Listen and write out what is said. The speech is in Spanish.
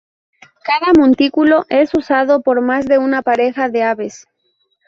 Cada montículo es usado par más de una pareja de aves.